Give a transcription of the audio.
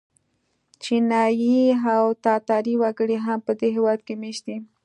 چینایي او تاتاري وګړي هم په دې هېواد کې مېشت دي.